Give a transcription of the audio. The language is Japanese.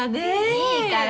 いいから。